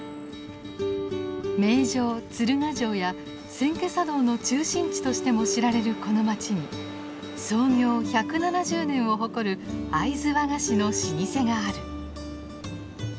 名城鶴ヶ城や千家茶道の中心地としても知られるこの街に創業１７０年を誇る会津和菓子の老舗がある。